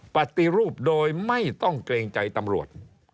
ปฏิรูปโดยไม่ต้องเกรงใจตำรวจ